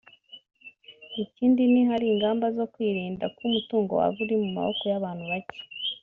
Ikindi ni hari ingamba zo kwirinda ko umutungo waba uri mu maboko y’abantu bake